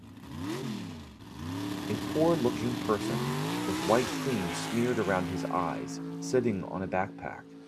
a poor looking person with white cream smeared around his eyes sitting on a backpack.